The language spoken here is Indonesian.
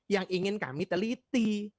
yang ingin kami teliti